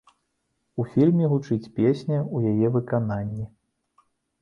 У фільме гучыць песня ў яе выкананні.